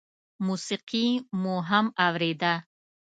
موسيقي مو هم اورېده.